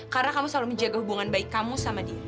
karena kamu selalu menjaga hubungan baik kamu sama diri